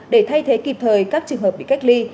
để thay thế kịp thời các trường hợp bị cách ly